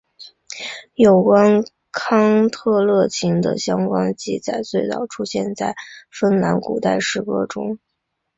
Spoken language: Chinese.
有关康特勒琴的相关记载最早出现在芬兰古代诗歌中。